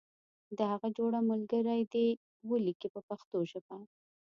د هغه جوړه ملګری دې هغه ولیکي په پښتو ژبه.